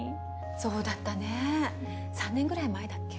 そうだったね３年ぐらい前だっけ？